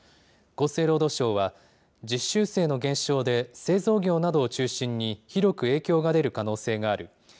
厚生労働省は、実習生の減少で製造業などを中心に、広く影響が出る可能性がある。